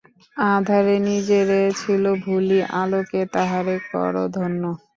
আঁধারে নিজেরে ছিল ভুলি, আলোকে তাহারে করো ধন্য।